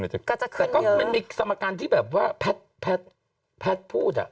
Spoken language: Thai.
แต่ก็มันมีสมการที่แบบว่าแพทย์พูดอ่ะ